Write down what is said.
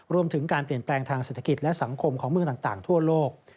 รวมถึงการเปลี่ยนแปลงทางเศรษฐกิจและสังคมของเมืองต่างทั่วโลก